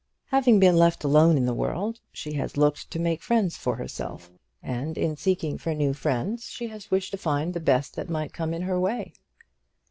Having been left alone in the world, she has looked to make friends for herself; and in seeking for new friends she has wished to find the best that might come in her way.